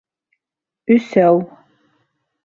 Өсәү